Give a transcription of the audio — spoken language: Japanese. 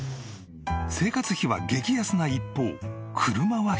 生活費は激安な一方車は必須。